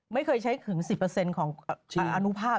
ไม่เคยใช้ถึง๑๐ของอนุภาพ